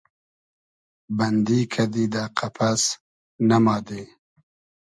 بئندی کئدی دۂ قئپس ، ئمادی